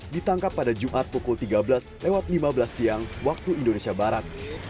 ditangkap pada jumat pukul tiga belas lewat lima belas siang waktu indonesia barat